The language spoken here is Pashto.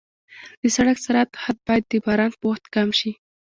د سړک سرعت حد باید د باران په وخت کم شي.